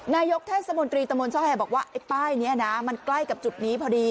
นายกเทศมนตรีตะมนต์ช่อแห่บอกว่าไอ้ป้ายนี้นะมันใกล้กับจุดนี้พอดี